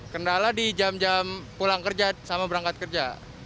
kendala di jam jam pulang kerja sama berangkat kerja